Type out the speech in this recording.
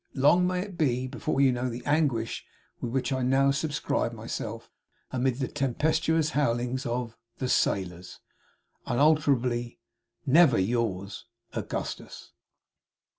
Long may it be before you know the anguish with which I now subscribe myself amid the tempestuous howlings of the sailors, 'Unalterably, 'Never yours, 'AUGUSTUS.